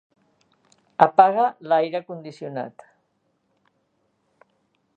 Apaga l'aire condicionat